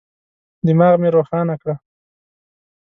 دماغ مي روښانه کړه.